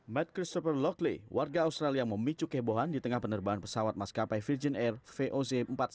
matt christopher lockley warga australia memicu kebohan di tengah penerbangan pesawat maskapai virgin air voz empat puluh satu